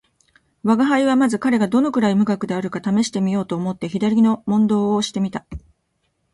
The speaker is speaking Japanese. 吾輩はまず彼がどのくらい無学であるかを試してみようと思って左の問答をして見た